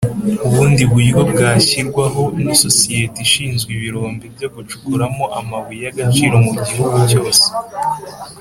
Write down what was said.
ubundi buryo bwashyirwaho n’isosiyete ishinzwe ibirombe byo gucukura mo amabuye y’Agaciro mu gihugu cyose.